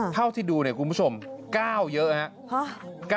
เท่าที่ดูเนี่ยคุณผู้ชม๙เยอะครับ